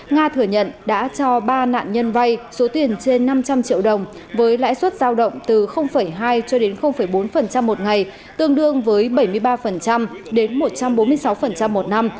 nga thừa nhận đã cho ba nạn nhân vay số tiền trên năm trăm linh triệu đồng với lãi suất giao động từ hai cho đến bốn một ngày tương đương với bảy mươi ba đến một trăm bốn mươi sáu một năm